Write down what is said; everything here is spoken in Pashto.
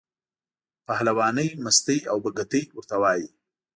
پهلوانۍ، مستۍ او بګتۍ ورته وایي.